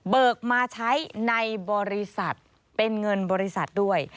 มาใช้ในบริษัทเป็นเงินบริษัทด้วย